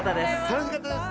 楽しかったです。